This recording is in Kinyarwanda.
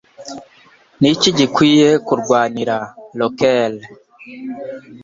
Ni ikintu gikwiye kurwanira (rockelle)